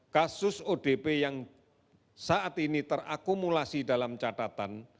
kasus odp yang saat ini terakumulasi dalam catatan